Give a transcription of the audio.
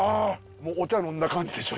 もうお茶飲んだ感じでしょ？